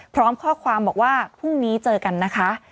พร้อมข้อความบอกว่าพรุ่งนี้เจอกันนะคะ